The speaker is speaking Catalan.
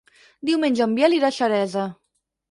Diumenge en Biel irà a Xeresa.